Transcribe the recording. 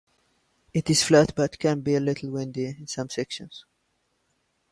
It is flat but can be a little windy in some sections.